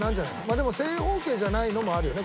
でも正方形じゃないのもあるよね